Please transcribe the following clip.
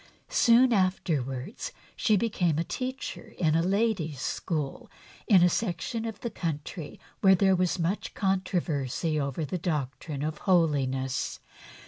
Soon afterwards she became a teacher in a ladies' school in a section of the country where there was much controversy over the doctrine of holiness.